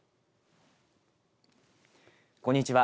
こんにちは。